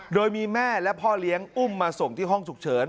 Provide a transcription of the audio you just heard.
โดยมีแม่และพ่อเลี้ยงอุ้มมาส่งที่ห้องฉุกเฉิน